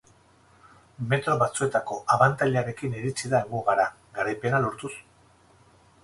Metro batzuetako abantailarekin iritsi da helmugara, garaipena lortuz.